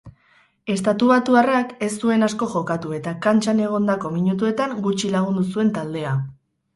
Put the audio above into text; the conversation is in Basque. Estatubatuarrak ez zuen asko jokatu eta kantxan egondako minutuetan gutxi lagundu zuen taldea.